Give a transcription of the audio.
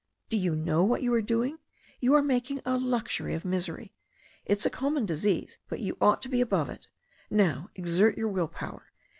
"Do you know what you are doing? You are making a luxury of misery. It's a common disease, but you ought to be above it. Now exert your will power.